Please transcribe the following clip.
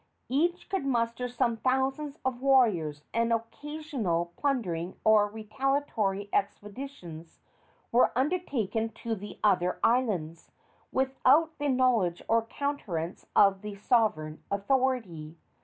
Each could muster some thousands of warriors, and occasional plundering or retaliatory expeditions were undertaken to the other islands without the knowledge or countenance of the sovereign authority.